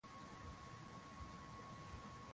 mila ya kitamaduni ni sawa na Kiajemi